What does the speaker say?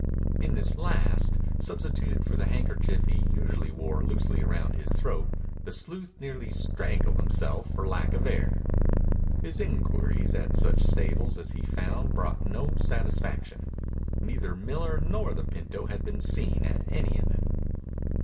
In this last, substituted for the handkerchief he usually wore loosely round his throat, the sleuth nearly strangled himself for lack of air. His inquiries at such stables as he found brought no satisfaction. Neither Miller nor the pinto had been seen at any of them.